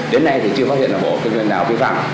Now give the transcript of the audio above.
đến nay thì chưa phát hiện bộ kinh doanh nào phi pháp